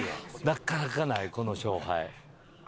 なかなかないこの勝敗。